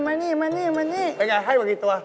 เป็นไงให้มากี่ตัว